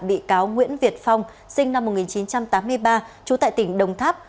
bị cáo nguyễn việt phong sinh năm một nghìn chín trăm tám mươi ba trú tại tỉnh đồng tháp